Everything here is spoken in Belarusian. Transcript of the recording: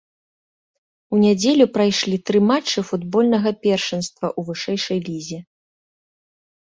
У нядзелю прайшлі тры матчы футбольнага першынства ў вышэйшай лізе.